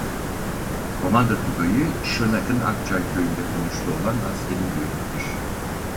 Komando Tugayı Şırnak'ın Akçay köyünde konuşlu olan askeri birliktir.